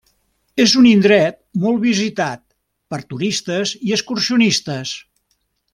És un indret molt visitat per turistes i excursionistes.